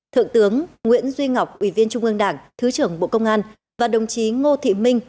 thượng tướng nguyễn duy ngọc ủy viên trung ương đảng thứ trưởng bộ công an và đồng chí ngô thị minh